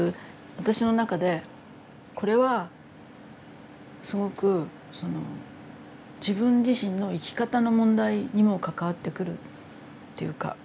私の中でこれはすごくその自分自身の生き方の問題にもかかわってくるっていうか。